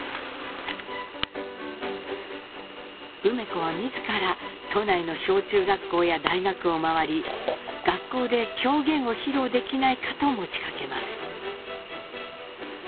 梅子は自ら都内の小中学校や大学を回り学校で狂言を披露できないかと持ちかけます。